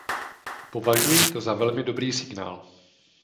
Považuji to za velmi dobrý signál.